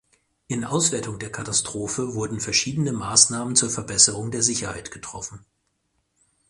In Auswertung der Katastrophe wurden verschiedene Maßnahmen zur Verbesserung der Sicherheit getroffen.